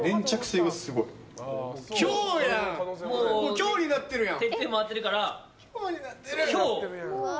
今日になっとるやん！